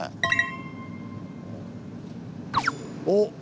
おっ！